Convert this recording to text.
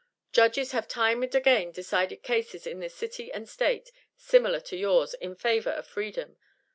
Judges have time and again decided cases in this city and State similar to yours in favor of freedom!